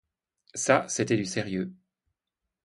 Ça, c'était du sérieux.